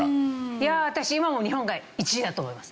いやあ私今も日本が１位だと思います。